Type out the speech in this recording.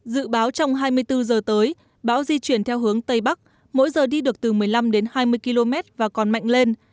dự báo trong hai mươi bốn giờ tới bão di chuyển theo hướng tây bắc mỗi giờ đi được từ một mươi năm đến hai mươi km và còn mạnh lên